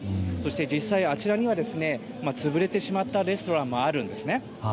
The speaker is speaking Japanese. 実際、こちらにも潰れてしまったレストランもあるんですね。